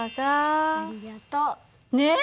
ありがとう。ねえ？